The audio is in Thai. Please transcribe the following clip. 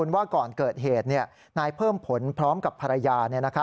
ว่าก่อนเกิดเหตุนายเพิ่มผลพร้อมกับภรรยา